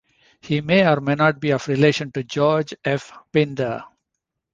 He may or may not be of relation to George F. Pinder.